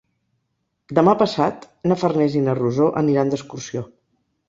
Demà passat na Farners i na Rosó aniran d'excursió.